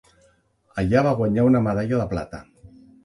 Allà va guanyar una medalla de plata.